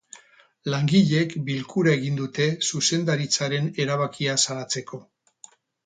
Langileek bilkura egin dute zuzendaritzaren erabakia salatzeko.